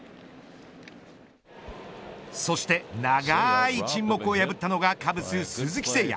そして長い沈黙を破ったのがカブス鈴木誠也。